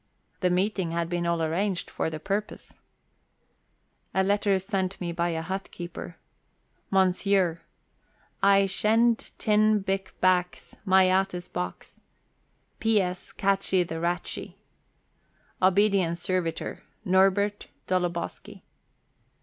The meeting had been all arranged for the purpose. A letter sent me by a hut keeper " Mons., " le shenl Tin Bik Baks Mayates Box. P.S. caytche de Raytche. " Obediens Servitor, " NORBEKT DOLOBOSKI."